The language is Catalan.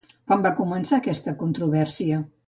Quan va començar aquesta controvèrsia?